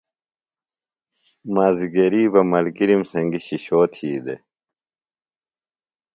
مازِگری بہ ملگِرِم سنگیۡ شِشو تھی دےۡ۔